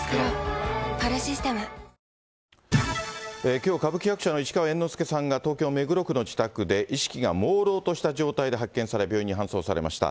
きょう、歌舞伎役者の市川猿之助さんが東京・目黒区の自宅で、意識がもうろうとした状態で発見され、病院に搬送されました。